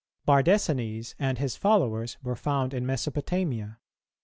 Bardesanes and his followers were found in Mesopotamia.